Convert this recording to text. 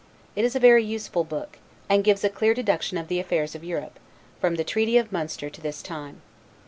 It is a very useful book, and gives a clear deduction of the affairs of Europe, from the treaty of Munster to this time.